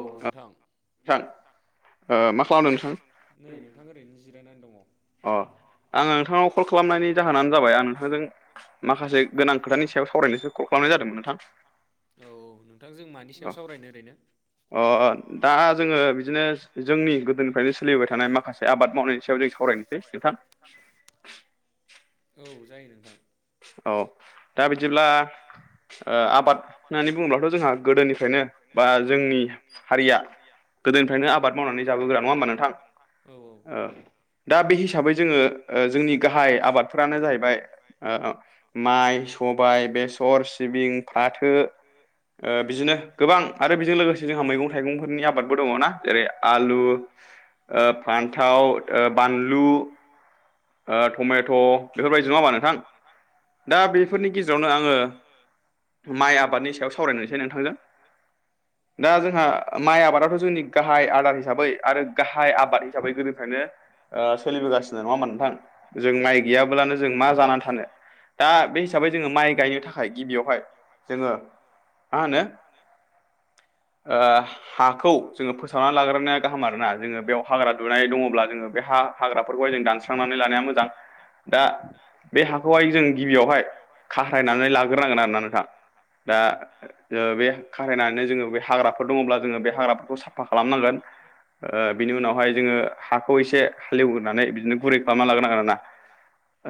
औ नोंथां। नै नोंथां ओरैनो जिरायनानै दङ'। अ। आङो नोंथांनाव कल खालामनायनि जाहोनानो जाबाय आं नोंथांजों माखासे गोनां खोथानि सायाव सावरायनोसो क औ नोंथां जों मानि सायाव सावरायनो ओरैनो? अह दा जोङो बिदिनो जोंनि गोदोनिफ्रायनो सोलिबोबाय थानाय माखासे आबाद मावनायनि हिसाब [unintelligible] थां औ जायो नोंथां। अह दा बिदिब्ला ओ आबाद होननानै बुङोब्लाथ' जोंहा गोदोनिफ्रायनो बा जोंनि हारिया गोदोनिफ्रायनो आबाद मावनानै जाबोग्रा नङा होमबा नोंथां? ओ दा बे हिसाबै जोङो ओ जोंनि गाहाय आबादफोरानो जाहैबाय ओ माइ, सबाय, बेसर, सिबिं, फाथो ओ बिदिनो गोबां आरो बेजों लोगोसे बेजों लोगोसे जोंहा मैगं थाइगंफोरनि आबादबो दङ' ना जेरै आलु ओ फान्थाव ओ बानलु ओ टमेट' बेफोरबायदि नङा होमबा नोंथां? नोंथां। दा बेफोरनि गेजेरावनो आङो माइ आबादनि सायाव सावरायनोसै नोंथांजों। दा जोंहा माइ आबादाथ' जोंनि गाहाय आदार हिसाबै आरो गाहाय आबाद हिसाबै गोदोनिफ्रायनो ओ सोलिबोगासिनो नङा होमबा नोंथां? जों माइ गैयाब्लानो जों मा जानानै थानो। दा बे हिसाबै जोङो माइ गायनो थाखाय गिबियावहाय जोङो मा होनो [inaudible] ओ हाखौ जोङो फोसाबनानै लाग्रोनाया गाहाम आरोना जोङो बेयाव हाग्रा दुनाय दङ'ब्ला जोङो बे हा हाग्राफोरखौहाय जों दानस्रांनानै लानाया मोजां। दा बे हाखौहाय जों बै जों गिबियावहाय खास्लायनानै लाग्रोनांगोन ओरोना नोंथां। दा ओ बे खारायनानैनो जोङो बे हाग्रा हाग्राफोर दङ'ब्ला जोङो बे हाग्राफोरखौ साफा खालामनांगोन। ओ बिनि उनावहाय जोङो हाखौ एसे हालेवहोनानै बिदिनो गुरै खालामना लाग्रोनांगो आरो ना।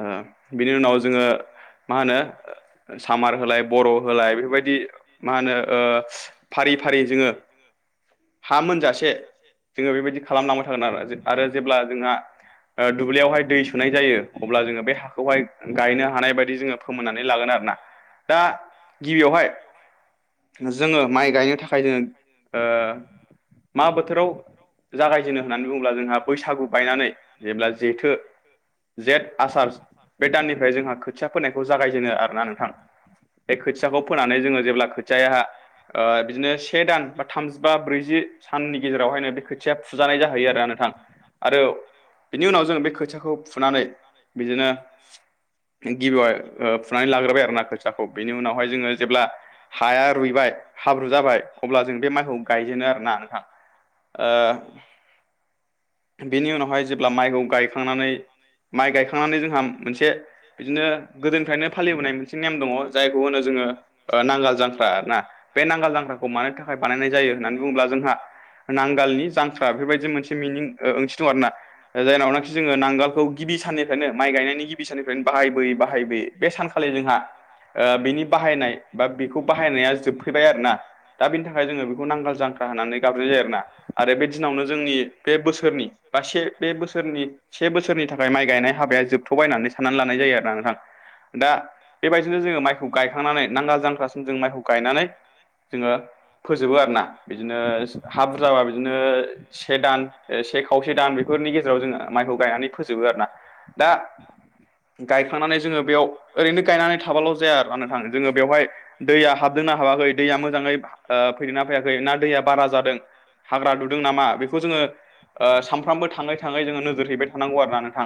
ओ बिनि उनाव जोङो ओ मा होनो सामार होलाय बर' होलाय बेफोरबायदि मा होनो ओ फारि फा फारि फारि जोङो हा मोनजासे जोङो बेबायदि खालामलांबाय थागोन आरो। आरो जेब्ला जोंहा ओ दुब्लियावहाय दै सोनाय जायो। अब्ला जोङो बे हाखौहाय गायनो हानाय बाय हानाय बायदि जोङो फोमोननानै लागोन आरोना। दा गिबियावहाय जोङो माइ गायनो थाखा गायनो थाखाय जों ओ मा बोथोराव जागायजेनो होननानै बुङोब्ला, जोंहा बैसागु बायनानै जेब्ला जेथो जेट, आसार बे दाननिफ्राय जोंहा खोथिया फोनायखौ जागायजेनो आरोना नोंथां। बे खोथियाखौ फोनानै जोङो जेब्ला खोथियाहा ओ बिदिनो से दान बा थामजिबा ब्रैजि साननि गेजेरावहायनो बे खोथिया फुजानाय जाहैयो आरो नोंथां। आरो बिनि उनाव जों बे खोथियाखौ फुनानै बिदिनो गिबियावाय ओ फुनानै लाग्रोबाय आरो ना खोथियाखौ, बेनि उनावहाय जोङो जेब्ला हाया रुइबाय हाब्रु जा जाबाय अब्ला जों बे माइखौ गायजेनो आरोना नोंथां ओ बेनि उनावहाय जेब्ला माइखौ गायखांनानै माइ गायखांनानै जोंहा मोनसे बिदिनो गोदोनिफ्रायनो फालिबोनाय मोनसे नेम दङ' जायखौ होनो जोङो ओ नांगाल जांख्रा आरो ना। बे नांगाल जांख्राखौ मानो थाखाय बानायनाय जायो होननानै बुङोब्ला जोंहा नांगालनि जांख्रा बेफोरबायदि मोनसे मिनिं ओ ओं थि दं आरो ना, जायनावनाखि जोङो नांगोलखौ गिबि साननिफ्रायनो माइ गायनायनि गिबि साननिफ्रायनो बाहायबोयै बाहायबोयै बे सानखालि जोंहा ओ बेनि बाहायनाय बा बि खौ बाहायनाया जोबफैबाय आरोना। दा बेनि थाखाय जोङो बेखौ नांगाल जांख्रा होनानै गाबज्रिनाय जायो आरोना आरो बे दिनावनो जोंनि बे बोसोरनि बा से बे बोसोरनि से बोसोरनि थाखाय माइ गायनाय हाबाया जोबथ'बाय होननानै बाय होननानै साननानै लानाय जायो आरो ना नोंथां। दा बेबायदिनो जोङो माइखौ गायखांनानै, नांगाल जांख्रासिम जों माइखौ गायनानै जोङो फोजोबो आरोना। बिदिनो हा बुरजाबा बिदिनो से दान ओ से खावसे दान बेफोरनि गेजेराव जोङो माइखौ गायनानै फोजोबो आरोना। दा गायखांनानै जोङो बेयाव, ओरैनो गायनानै थाबाल' जाया आरोना नोंथां, जोङो बेवहाय दैया हाबदोंना हाबाखै, दैया मोजां दैया मोजाङै ओ फैदोंना फैयाखै ना दैया बारा जादों, हाग्रा दुदों नामा? बेखौ जोङो आ सानफ्रामबो थाङै थाङै जोङो नोजोर हैबाय थानांगौ आरोना नोंथां।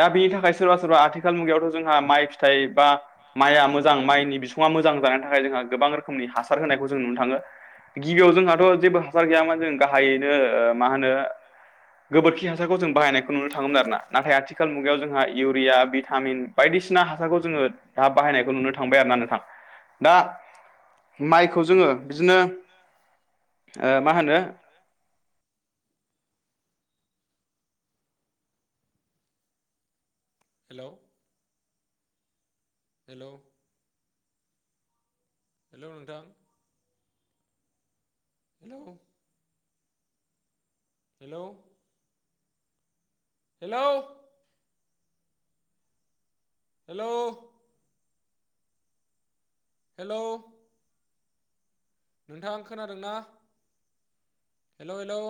दा बिनि थाखाय सोरबा सोरबा आथिखाल मुगायावथ' जोंहा माइ फिथाइ बा माया मोजां माइनि बिसुङा मोजां जानायनि थाखाय जोंहा गोबां रोखो खोमसि हासार होनायखौ जों नुनो थाङो। गिबियाव जोंहाथ' जेबो हासार गैयामोन जों गाहायैनो ओ मा होनो गोबोरखि हासारखौ जों बाहायनायखौ नुनो थाङोमोन आरोना। नाथाय आथिखाल मुगायाव जोंहा इउरिया आ भिटामिन बायदिसिना हासारखौ जोङो दा बाहायनायखौ नुनो थांबाय आरोना नोंथां। दा माइखौ जोङो बिदिनो ओ मा होनो हेलौ हेलौ हेलौ नोंथां। Hello hello hello hello hello नोंथां खोनादोंना? Hello hello